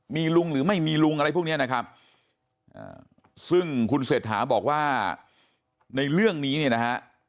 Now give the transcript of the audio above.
มีลุงหรือไม่มีลุงอะไรพวกนี้นะครับซึ่งคุณเศรษฐาบอกว่าในเรื่องนี้เนี่ยนะฮะ